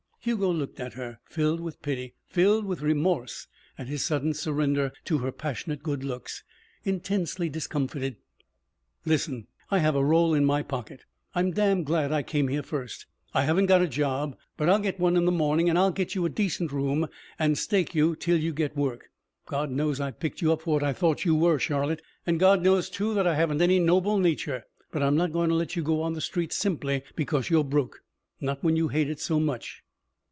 Hugo looked at her, filled with pity, filled with remorse at his sudden surrender to her passionate good looks, intensely discomfited. "Listen. I have a roll in my pocket. I'm damn glad I came here first. I haven't got a job, but I'll get one in the morning. And I'll get you a decent room and stake you till you get work. God knows, I picked you up for what I thought you were, Charlotte, and God knows too that I haven't any noble nature. But I'm not going to let you go on the street simply because you're broke. Not when you hate it so much."